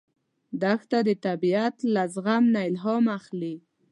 دښته د طبیعت له زغم نه الهام اخلي.